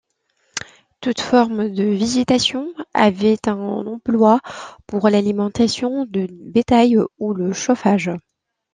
Toute forme de végétation avait un emploi pour l'alimentation du bétail ou le chauffage.